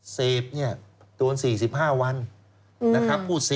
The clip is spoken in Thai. เสพเนี่ยโดน๔๕วันนะครับพูดเสพ